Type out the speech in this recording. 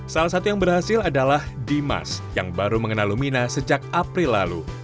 salah satu yang berhasil adalah dimas yang baru mengenal lumina sejak april lalu